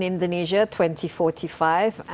indonesia yang berwarna emas